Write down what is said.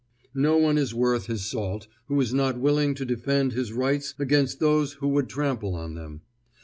No one is worth his salt who is not willing to defend his rights against those who would trample on them.